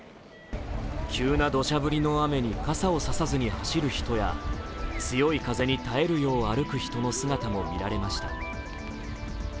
急などしゃ降りの雨に傘を差さずに走る人や強い風に耐えるよう歩く人の姿も見られました。